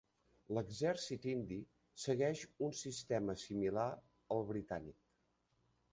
L'exèrcit indi segueix un sistema similar al britànic.